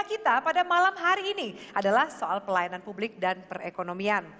kita pada malam hari ini adalah soal pelayanan publik dan perekonomian